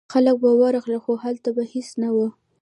خلک به ورغلل خو هلته به هیڅ نه و.